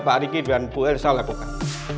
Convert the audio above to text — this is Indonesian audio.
pak riki dan bu elisa lakukan